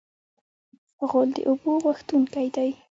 غول د اوبو غوښتونکی دی.